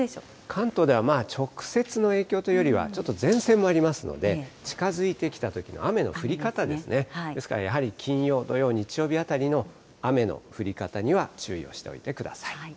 関東では直接の影響というよりは、ちょっと前線もありますので、近づいてきたときの雨の降り方ですね、ですからやはり金曜、土曜、日曜日あたりの雨の降り方には注意をしておいてください。